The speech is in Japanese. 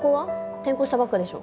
転校したばっかでしょ。